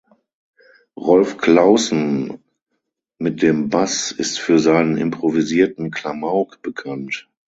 Rolf Claussen mit dem Bass ist für seinen improvisierten Klamauk bekannt.